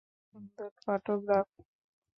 খুব সুন্দর ফটোগ্রাফ।